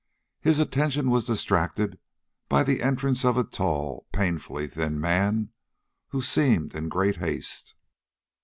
His attention was distracted by the entrance of a tall, painfully thin man who seemed in great haste.